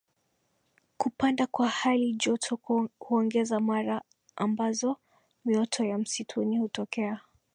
Kupanda kwa hali joto huongeza mara ambazo mioto ya msituni hutokea